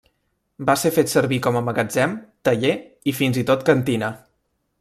Va ser fet servir com a magatzem, taller i fins i tot cantina.